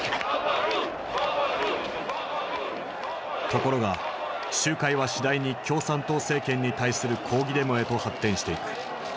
ところが集会は次第に共産党政権に対する抗議デモへと発展していく。